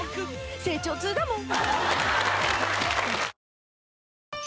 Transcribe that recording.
成長痛だもん。